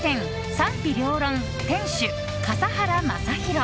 「賛否両論」店主笠原将弘。